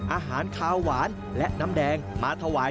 อาหารขาวหวานและน้ำแดงมาถวาย